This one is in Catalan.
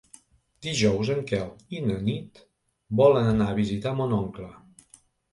Dijous en Quel i na Nit volen anar a visitar mon oncle.